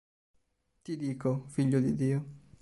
Ti dico, figlio di Dio.